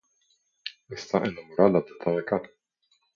Está enamorada de Tanaka.